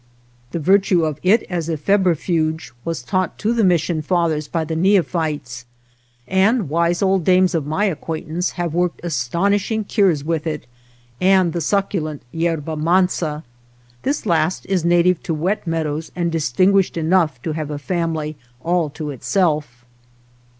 The virtue of it as a febrifuge was taught to the mission fathers by the neophytes, and wise old dames of my acquaintance have worked astonishing cures with it and the succulent jK^r<5^ mansa. This last is native to wet meadows and distinguished enough to have a family all to itself.